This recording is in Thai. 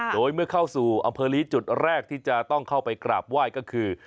โดยเมื่อเข้าสู่อำเภอลีจุดแรกที่จะต้องเข้าไปกราบไหว้ก็คือ